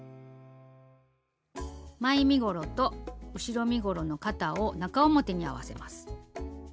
前身ごろと後ろ身ごろの肩を中表に合わせます。